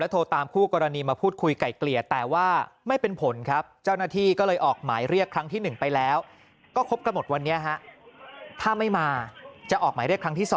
และโทรตามคู่กรณีมาพูดคุยไก่เกลียด